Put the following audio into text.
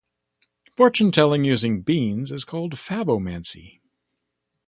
Fortune-telling using beans is called favomancy.